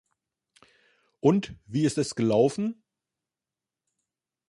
Und, wie ist es gelaufen?